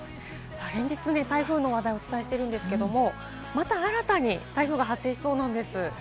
連日、台風の話題をお伝えしているんですけれども、また新たに台風が発生しそうなんです。